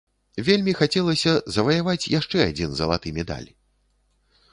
Вельмі хацелася заваяваць яшчэ адзін залаты медаль.